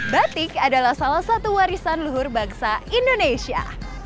batik adalah salah satu warisan luhur bangsa indonesia